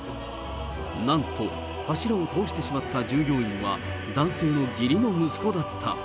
なんと、柱を倒してしまった従業員は、男性の義理の息子だった。